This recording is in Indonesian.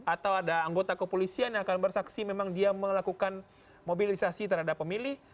atau ada anggota kepolisian yang akan bersaksi memang dia melakukan mobilisasi terhadap pemilih